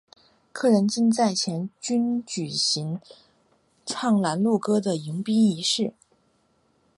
客人进寨前均举行唱拦路歌的迎宾仪式。